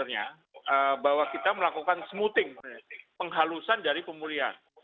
ya penghalusan dari pemulihan